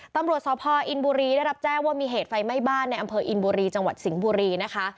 ตำรวจสพอินบุรีได้รับแจ้งว่ามีเหตุไฟไหม้บ้านในอำเภออินบุรีจังหวัดสิงห์บุรีนะคะ